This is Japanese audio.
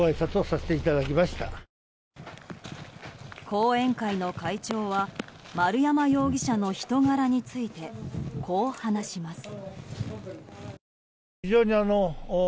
後援会の会長は丸山容疑者の人柄について、こう話します。